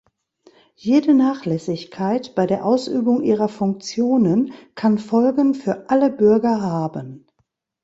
Jede Nachlässigkeit bei der Ausübung ihrer Funktionen kann Folgen für alle Bürger haben.